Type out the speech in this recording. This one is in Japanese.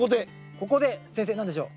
ここで先生何でしょう？